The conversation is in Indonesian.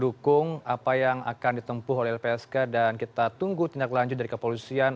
dukung apa yang akan ditempuh oleh lpsk dan kita tunggu tindak lanjut dari kepolisian